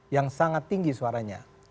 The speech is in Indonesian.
yang sangat tinggi suaranya